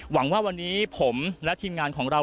หวังว่าวันนี้ผมและทีมงานของเรา